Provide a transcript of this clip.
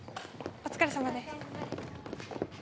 お疲れさまでした。